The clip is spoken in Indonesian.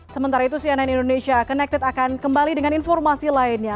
sementara itu cnn indonesia connected akan kembali dengan informasi lainnya